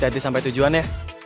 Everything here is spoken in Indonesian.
jadi sampai tujuan ya